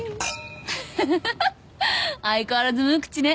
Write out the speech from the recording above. フフフ相変わらず無口ね。